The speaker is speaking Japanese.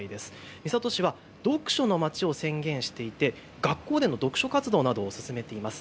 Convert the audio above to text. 三郷市は読書のまちを宣言していて学校での読書活動などを進めています。